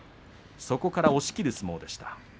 そこから押しきる相撲でした。